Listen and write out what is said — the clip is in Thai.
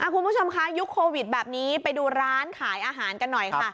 คุณผู้ชมค่ะยุคโควิดแบบนี้ไปดูร้านขายอาหารกันหน่อยค่ะ